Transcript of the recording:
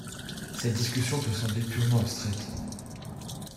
Cette discussion peut sembler purement abstraite.